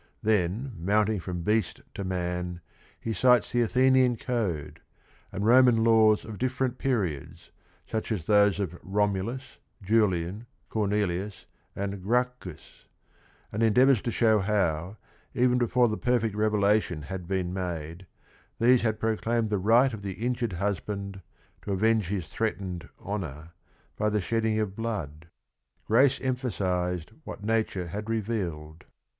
Then mounting from beast to man, he cites the Athenian code, and Roman laws of different periods, such as those of Romulus, Julian, Cornelius, and Grac chus, and endeavors to show how, even before the "perfect revelation" had been made, these had proclaimed the right of the injured husband to avenge his threatened honor by the shedding of blood. Grace emphasized what nature had revealed.